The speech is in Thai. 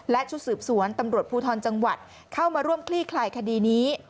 และชุดสืบสวนตำรวจภูทรจังหวัดเข้ามาร่วมคลี่คลายคดีนี้